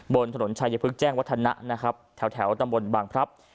บนถนนชายพึกแจ้งวัฒนะนะครับแถวตำบลบางพลับ